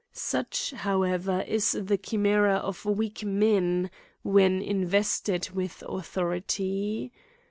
Such, however is the chimera of weak men, when in vested with authority.